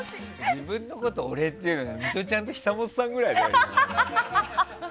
自分のこと俺って言うのミトちゃんと久本さんくらいだよ。